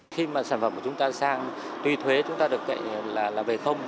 khi mà sản phẩm của chúng ta sang tuy thuế chúng ta được cậy là về không